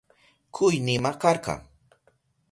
Kuynima karka.